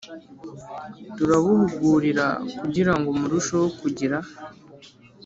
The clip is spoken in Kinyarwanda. Turabahugurira kugira ngo murusheho kugira